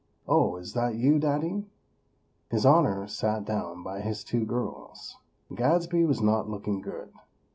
Oh, is that you, Daddy?" His Honor sat down by his two girls. Gadsby was not looking good.